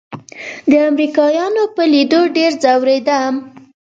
د امريکايانو په ليدو ډېر ځورېدم.